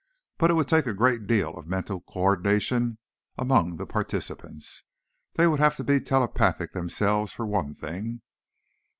But it would take a great deal of mental co ordination among the participants. They would have to be telepathic themselves, for one thing."